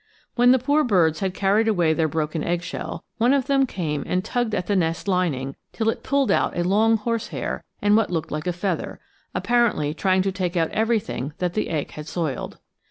When the poor birds had carried away their broken eggshell, one of them came and tugged at the nest lining till it pulled out a long horsehair and what looked like a feather, apparently trying to take out everything that the egg had soiled.